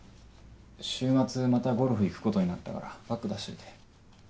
週末またゴルフ行くことになったからバッグ出しといて。